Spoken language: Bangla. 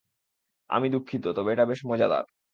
আমি দুঃখিত, তবে এটা বেশ মজাদার।